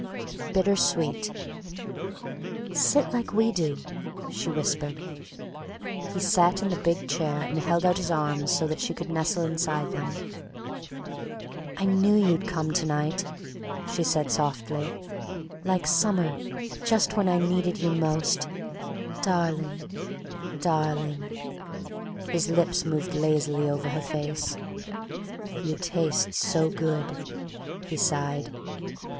BITTER SWEET "Sit like we do," she whispered. He sat in the big chair and held out his arms so that she could nestle inside them. "I knew you'd come to night," she said softly, "like summer, just when I needed you most... darling... darling..." His lips moved lazily over her face. "You taste so good," he sighed.